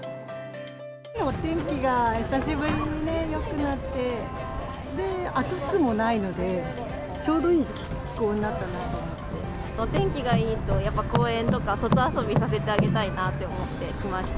お天気が久しぶりにね、よくなって、暑くもないので、ちょうどいい気候になったなと思お天気がいいと、やっぱ公園とか、外遊びさせてあげたいなと思って来ました。